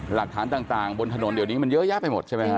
หลักฐานต่างบนถนนเดี๋ยวนี้มันเยอะแยะไปหมดใช่ไหมฮ